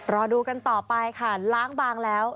รอดูกันต่อไปค่ะล้างบางแล้ว